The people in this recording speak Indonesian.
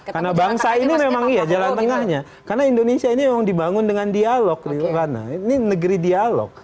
karena bangsa ini memang iya jalan tengahnya karena indonesia ini memang dibangun dengan dialog ini negeri dialog